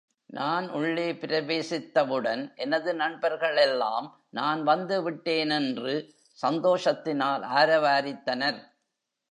நான் உள்ளே பிரவேசித்தவுடன் எனது நண்பர்களெல்லாம், நான் வந்து விட்டேனென்று சந்தோஷத்தினால் ஆரவாரித்தனர்.